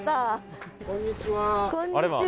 こんにちは。